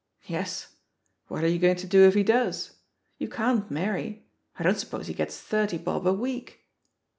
"Yes. What are you going to do if he does? You can't marry — I don't suppose he gets thirty bob a week."